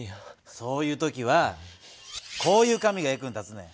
そういう時はこういう紙が役に立つねん。